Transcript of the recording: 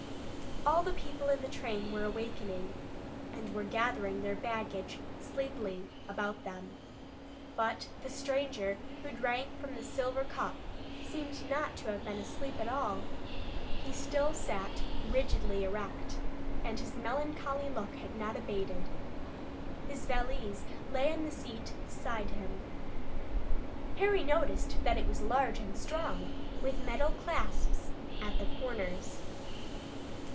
All the people in the train were awakening, and were gathering their baggage sleepily about them. But the stranger, who drank from the silver cup, seemed not to have been asleep at all. He still sat rigidly erect, and his melancholy look had not abated. His valise lay on the seat beside him. Harry noticed that it was large and strong, with metal clasps at the corners.